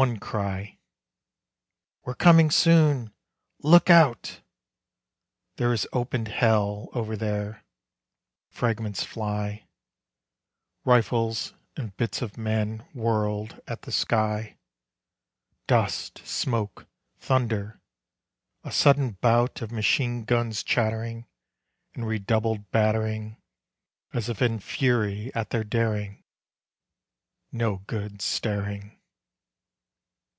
One cry: "We're comin' soon! look out!" There is opened hell Over there; fragments fly, Rifles and bits of men whirled at the sky: Dust, smoke, thunder! A sudden bout Of machine guns chattering.... And redoubled battering, As if in fury at their daring!... No good staring.